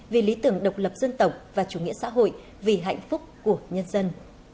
vì lý tưởng độc lập dân tộc và chủ nghĩa xã hội vì hạnh phúc của nhân dân